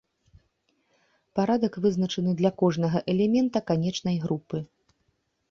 Парадак вызначаны для кожнага элемента канечнай групы.